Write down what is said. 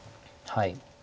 はい。